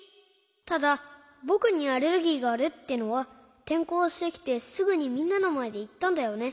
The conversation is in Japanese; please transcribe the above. ただぼくにアレルギーがあるってのはてんこうしてきてすぐにみんなのまえでいったんだよね。